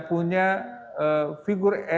punya figur ekonomi